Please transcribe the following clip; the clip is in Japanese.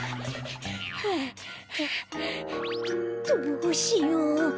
どうしよう？